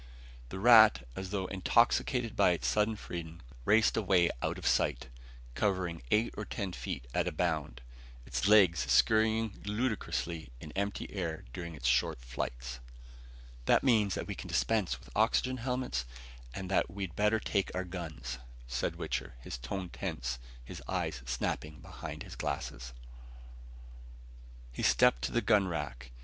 The rat, as though intoxicated by its sudden freedom, raced away out of sight, covering eight or ten feet at a bound, its legs scurrying ludicrously in empty air during its short flights. "That means that we can dispense with oxygen helmets and that we'd better take our guns," said Wichter, his voice tense, his eyes snapping behind his glasses. He stepped to the gun rack.